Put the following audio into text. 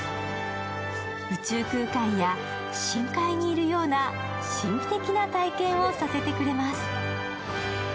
宇宙空間や深海にいるような神秘的な体験をさせてくれます。